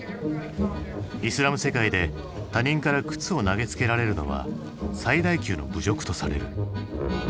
イスラム世界で他人から靴を投げつけられるのは最大級の侮辱とされる。